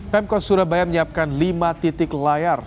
pemkot surabaya menyiapkan lima titik layar